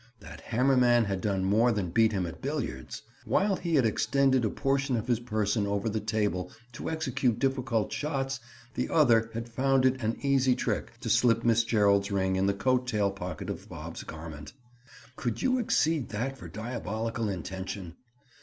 That hammer man had done more than beat him at billiards. While he (Bob) had extended a portion of his person over the table to execute difficult shots the other had found it an easy trick to slip Miss Gerald's ring in the coat tail pocket of Bob's garment. Could you exceed that for diabolical intention?